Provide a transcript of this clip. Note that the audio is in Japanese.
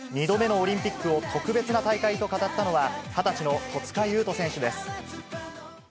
２度目のオリンピックを特別な大会と語ったのは、２０歳の戸塚優斗選手です。